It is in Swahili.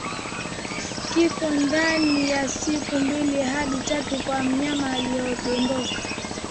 Kifo ndani ya siku mbili hadi tatu kwa mnyama aliyedondoka